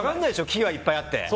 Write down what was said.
木がいっぱいあって。